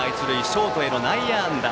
ショートへの内野安打。